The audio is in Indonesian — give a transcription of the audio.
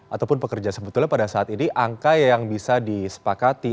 ataupun pekerja sebetulnya pada saat ini angka yang bisa disepakati